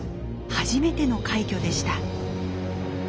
初めての快挙でした。